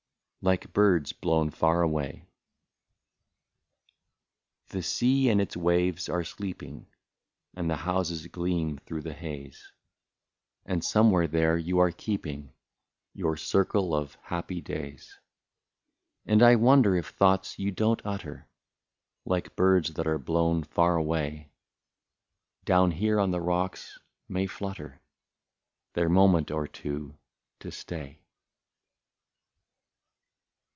1 63 LIKE BIRDS BLOWN FAR AWAY. The sea and its waves are sleeping, And the houses gleam through the haze ; And somewhere there you are keeping Your circle of happy days. And I wonder if thoughts you don't utter, Like birds that are blown far away, Down here on the rocks may flutter. Their moment or two to stay.